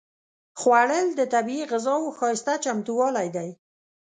خوړل د طبیعي غذاوو ښايسته چمتووالی دی